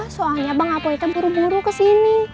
soalnya bang apoi teh buru buru kesini